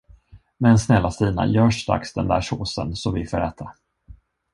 Men snälla Stina, gör strax den där såsen, så vi får äta.